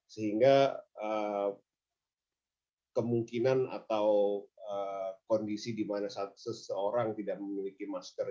sehingga kemungkinan atau kondisi di mana seseorang tidak memiliki masker